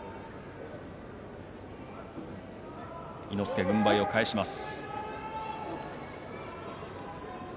伊之助、軍配を返します。